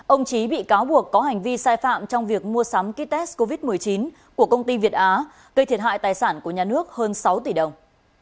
ông trí bị cáo buộc có hành vi sai phạm trong việc mua sắm ký test covid một mươi chín của công ty việt á gây thiệt hại tài sản của nhà nước hơn sáu tỷ đồng